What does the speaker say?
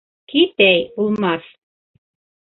Кит әй, булмаҫ!..